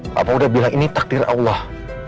bapak udah bilang ini takdir allah